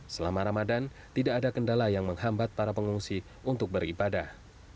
selama ramadan tidak ada kendala yang menghambat para pengungsi untuk beribadah